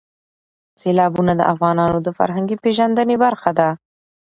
سیلابونه د افغانانو د فرهنګي پیژندنې برخه ده.